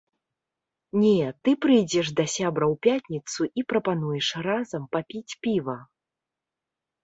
Не, ты прыйдзеш да сябра ў пятніцу і прапануеш разам папіць піва.